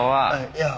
いや。